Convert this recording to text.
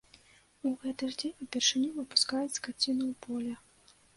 У гэты ж дзень упершыню выпускаюць скаціну ў поле.